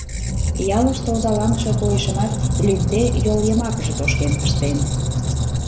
Ялыште озаланыше койышымат лӱдде йол йымакыже тошкен пыштен.